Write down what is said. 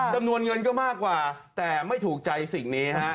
จำนวนเงินก็มากกว่าแต่ไม่ถูกใจสิ่งนี้ฮะ